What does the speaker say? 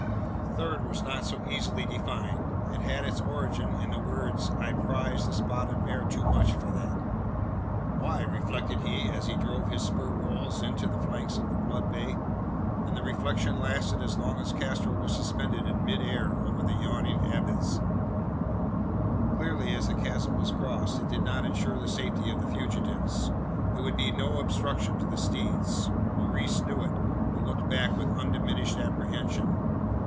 The third was not so easily defined. It had its origin in the words "I prize the spotted mare too much for that." "Why?" reflected he, as he drove his spur rowels into the flanks of the blood bay; and the reflection lasted as long as Castro was suspended in mid air over the yawning abysm. Cleverly as the chasm was crossed, it did not ensure the safety of the fugitives. It would be no obstruction to the steeds. Maurice knew it, and looked back with undiminished apprehension.